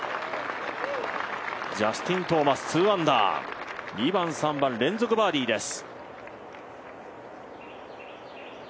ジャスティン・トーマス２アンダー、２番、３番連続バーディーです。